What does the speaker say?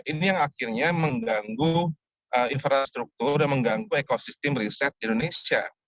ini yang akhirnya mengganggu infrastruktur dan mengganggu ekosistem riset indonesia